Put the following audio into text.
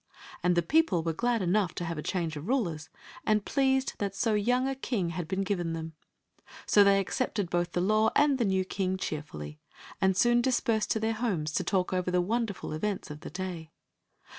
And the people were glad enough to have a change of rulers, and pleased that so young a king had been given them. So they accepted both the law and the new king chearfuUy» and soon dt^)ersed to dietr homes to talk over* the wonderful events of the day.